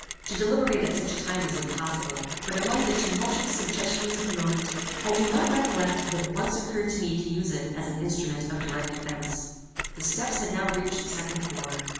To deliberate at such a time was impossible; but among the tumultuous suggestions of the moment, I do not recollect that it once occurred to me to use it as an instrument of direct defence. The steps had now reached the second floor.